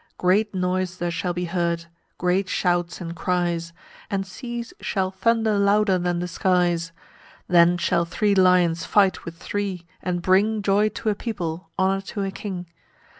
Great noise there shall be heard great shouts and cries, And seas shall thunder louder than the skies; Then shall three lions fight with three and bring Joy to a people, honour to a king.